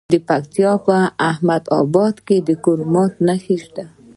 د پکتیا په احمد اباد کې د کرومایټ نښې شته.